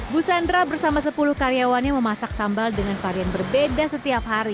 busandra bersama sepuluh karyawannya memasak sambal dengan varian berbeda setiap hari